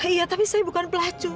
iya tapi saya bukan pelacu